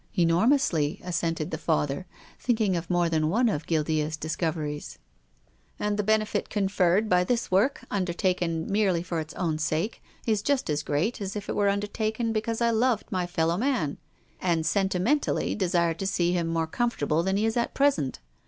" Enormously," assented the Father, thinking of more than one of Guildea's discoveries. "And the benefit conferred by this work, un dertaken merely for its own sake, is just as great as if it were undertaken because I loved my fel low man and sentimentally desired to see him more comfortable than he is at present.